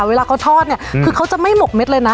เวลาเขาทอดเขาจะไม่หมกเม็ดเลยนะ